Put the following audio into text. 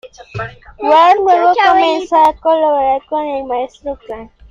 Ward luego comenzó a colaborar con el Maestro Khan.